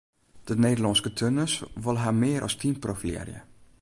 De Nederlânske turners wolle har mear as team profilearje.